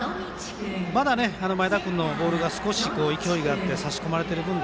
まだ前田君のボールが勢いがあって差し込まれている分